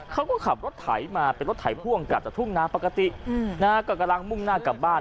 เขาก็ขับรถไถมาเป็นรถไถพ่วงกลับจากทุ่งนาปกติก็กำลังมุ่งหน้ากลับบ้าน